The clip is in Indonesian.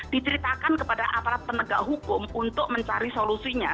diceritakan kepada aparat penegak hukum untuk mencari solusinya